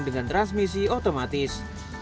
dengan transmisi otomatis